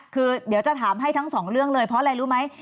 คือเดี๋ยวจะถามให้ทั้งสองเรื่องเลยเพราะอะไรรู้ไหม